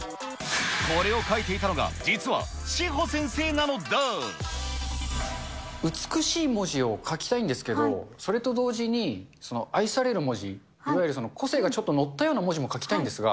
これを書いていたのが、実は志帆美しい文字を書きたいんですけれども、それと同時に、愛される文字、いわゆる個性がちょっと乗ったような文字も書きたいんですが。